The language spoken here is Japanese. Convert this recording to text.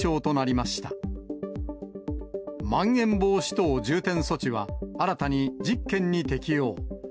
まん延防止等重点措置は、新たに１０県に適用。